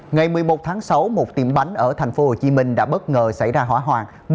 ngày một mươi một tháng sáu một tiệm bánh ở thành phố hồ chí minh đã bất ngờ xảy ra hỏa hoàng